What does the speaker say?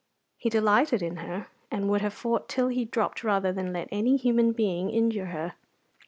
He delighted in her, and would have fought till he dropped rather than let any human being injure her.